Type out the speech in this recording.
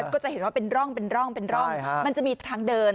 ก็จะเห็นว่าเป็นร่องมันจะมีทางเดิน